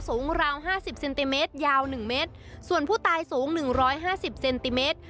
ราวห้าสิบเซนติเมตรยาวหนึ่งเมตรส่วนผู้ตายสูงหนึ่งร้อยห้าสิบเซนติเมตร